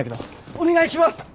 お願いします。